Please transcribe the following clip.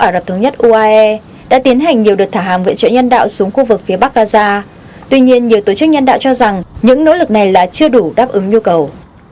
ả rập thống nhất uae đã tiến hành nhiều đợt thả hàng viện trợ nhân đạo xuống khu vực phía bắc gaza tuy nhiên nhiều tổ chức nhân đạo cho rằng những nỗ lực này là chưa đủ đáp ứng nhu cầu